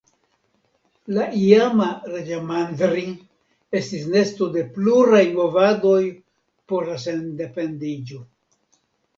La iama Raĝamandri estis nesto de pluraj movadoj por la sendependiĝo.